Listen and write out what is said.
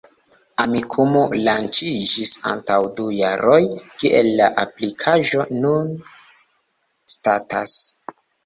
Amikumu lanĉiĝis antaŭ du jaroj, kiel la aplikaĵo nun statas?